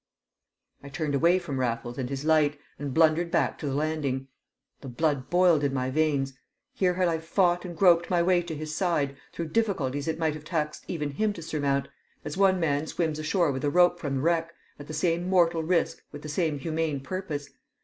I turned away from Raffles and his light, and blundered back to the landing. The blood boiled in my veins. Here had I fought and groped my way to his side, through difficulties it might have taxed even him to surmount, as one man swims ashore with a rope from the wreck, at the same mortal risk, with the same humane purpose.